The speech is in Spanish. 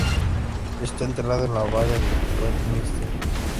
Está enterrado en la abadía de Westminster.